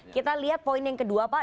kita lihat poin yang kedua pak